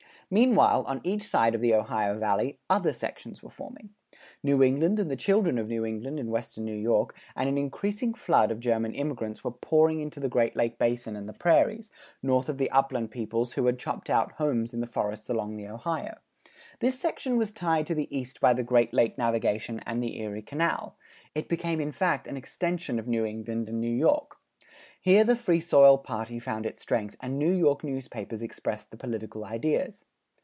Meanwhile, on each side of the Ohio Valley, other sections were forming. New England and the children of New England in western New York and an increasing flood of German immigrants were pouring into the Great Lake basin and the prairies, north of the upland peoples who had chopped out homes in the forests along the Ohio. This section was tied to the East by the Great Lake navigation and the Erie canal, it became in fact an extension of New England and New York. Here the Free Soil party found its strength and New York newspapers expressed the political ideas.